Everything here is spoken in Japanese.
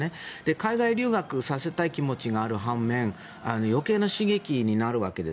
海外留学させたい気持ちがある半面余計な刺激になるわけです